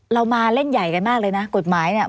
เรามาเล่นใหญ่กันมากเลยนะกฎหมายเนี่ย